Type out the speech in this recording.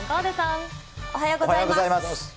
おはようございます。